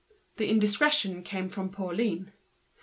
The indiscretion came from Pauline.